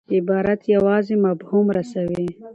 عبارت یوازي مفهوم رسوي.